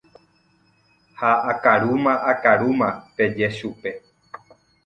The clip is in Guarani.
ha akarúma akarúma peje chupe.